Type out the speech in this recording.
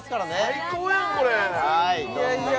最高やんこれいや